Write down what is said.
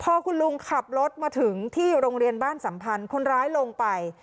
พอคุณลุงขับรถมาถึงที่โรงเรียนบ้านสัมพันธ์คนร้ายลงไป